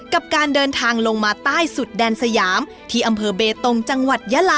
กับการเดินทางลงมาใต้สุดแดนสยาว